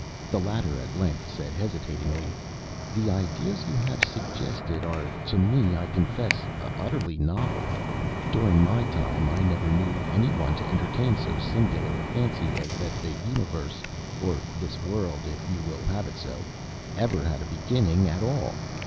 The latter at length said, hesitatingly: "The ideas you have suggested are to me, I confess, utterly novel. During my time I never knew any one to entertain so singular a fancy as that the universe (or this world if you will have it so) ever had a beginning at all.